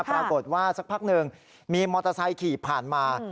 สักพักหนึ่งมีมอเตอร์ไซค์ขี่ผ่านมา